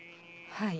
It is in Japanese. はい。